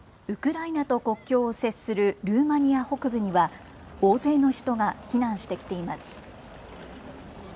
ウクライナと国境を接するルーマニア北部には、大勢の人が避難してきています。